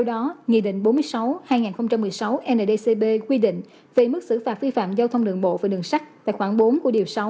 đề mức xử phạt vi phạm giao thông đường bộ và đường sắt tại khoảng bốn của điều sáu